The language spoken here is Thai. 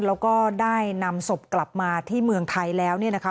แล้วก็ได้นำศพกลับมาที่เมืองไทยแล้วเนี่ยนะคะ